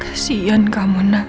kasihan kamu nanti